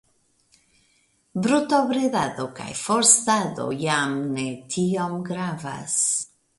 Brutobredado kaj forstado jam ne tiom gravas.